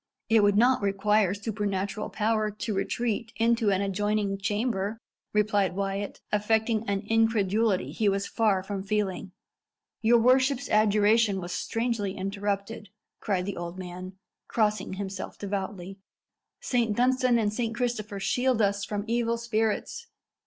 "It would not require supernatural power to retreat into an adjoining chamber!" replied Wyat, affecting an incredulity he was far from feeling. "Your worship's adjuration was strangely interrupted," cried the old man, crossing himself devoutly. "Saint Dunstan and Saint Christopher shield us from evil spirits!"